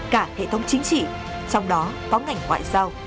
cả hệ thống chính trị trong đó có ngành ngoại giao